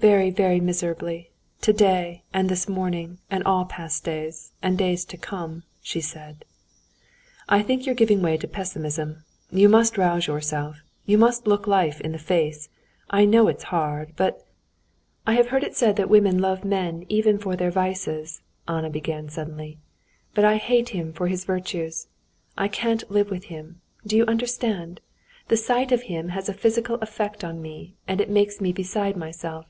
"Very, very miserably. Today and this morning and all past days and days to come," she said. "I think you're giving way to pessimism. You must rouse yourself, you must look life in the face. I know it's hard, but...." "I have heard it said that women love men even for their vices," Anna began suddenly, "but I hate him for his virtues. I can't live with him. Do you understand? the sight of him has a physical effect on me, it makes me beside myself.